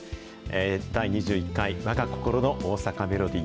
第２１回わが心の大阪メロディー。